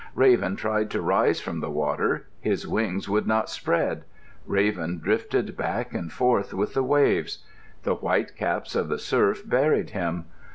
Raven tried to rise from the water. His wings would not spread. Raven drifted back and forth with the waves. The white caps of the surf buried him.